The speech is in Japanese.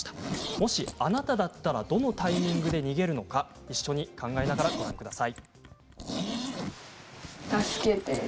もし、あなただったらどのタイミングで逃げるのか一緒に考えながらご覧ください。